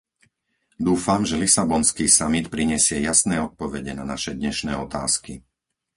Dúfam, že lisabonský samit prinesie jasné odpovede na naše dnešné otázky.